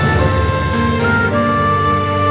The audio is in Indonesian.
aku ngerti ra